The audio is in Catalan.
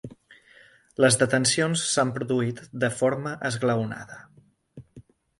Les detencions s’han produït de forma esglaonada.